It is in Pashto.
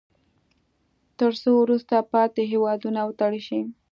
تر څو وروسته پاتې هیوادونه وتړل شي.